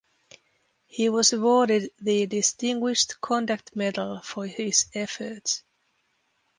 He was awarded the Distinguished Conduct Medal for his efforts.